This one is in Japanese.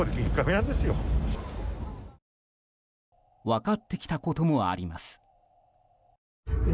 分かってきたこともあります。